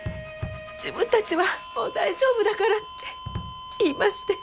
自分たちはもう大丈夫だからって言いまして。